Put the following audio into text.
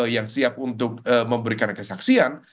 yang siap untuk memberikan kesaksian